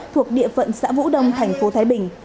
thuộc địa phận xã vũ đông tp thái bình